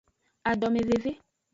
Adomeveve.